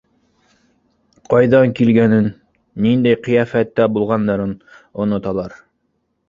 Ҡайҙан килгәнен, ниндәй ҡиәфәттә булғандарын оноталар.